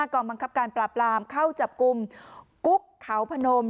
กองบังคับการปราบรามเข้าจับกลุ่มกุ๊กเขาพนม